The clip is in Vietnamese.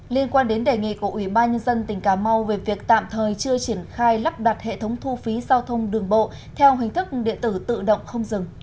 liên quan đến đề nghị của ủy ban nhân dân tỉnh cà mau về việc tạm thời chưa triển khai lắp đặt hệ thống thu phí giao thông đường bộ theo hình thức điện tử tự động không dừng